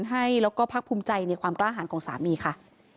ให้แล้วก็พักภูมิใจในความกล้าหารของสามีค่ะ